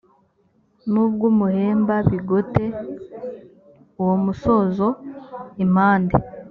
n ubw umuhemba bigote uwo musozo impande